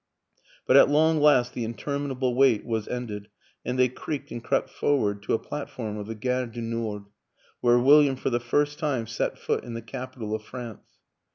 But at long last the interminable wait was ended and they creaked and crept forward to a plat form of the Gare du Nord where William for the first time set foot in the capital of France.